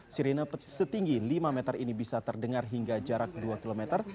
sirine setinggi lima meter ini bisa terdengar hingga jarak dua km